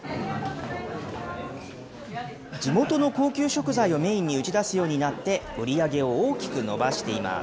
地元の高級食材をメインに打ち出すようになって、売り上げを大きく伸ばしています。